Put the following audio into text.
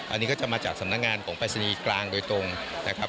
อันนี้ก็จะมาจากสำนักงานของปรายศนีย์กลางโดยตรงนะครับ